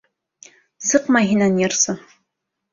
Сыҡмай һинән йырсы.